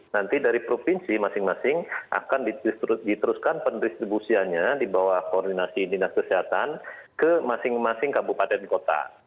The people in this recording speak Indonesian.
nanti dari provinsi masing masing akan diteruskan pendistribusiannya di bawah koordinasi dinas kesehatan ke masing masing kabupaten kota